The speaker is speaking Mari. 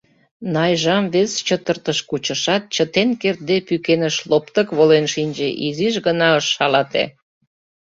Найжам вес чытыртыш кучышат, чытен кертде, пӱкеныш лоптык волен шинче, изиш гына ыш шалате.